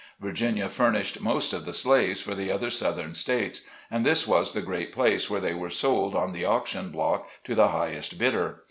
Virginia furnished most of the slaves for the other Southern States, and this was the great place where they were sold on the auction block to the highest bidder.